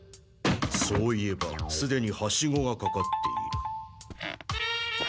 そういえばすでにハシゴがかかっている。